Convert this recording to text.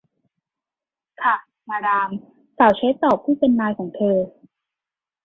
ค่ะ มาดาม สาวใช้ตอบผู้เป็นนายของเธอ